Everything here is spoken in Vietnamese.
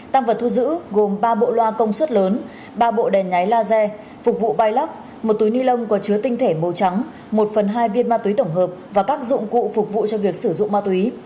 tăng vật thu giữ gồm ba bộ loa công suất lớn ba bộ đèn nháy laser phục vụ bay lắc một túi ni lông có chứa tinh thể màu trắng một phần hai viên ma túy tổng hợp và các dụng cụ phục vụ cho việc sử dụng ma túy